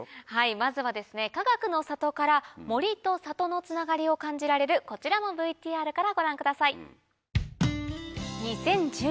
まずはかがくの里から森と里のつながりを感じられるこちらのＶＴＲからご覧ください。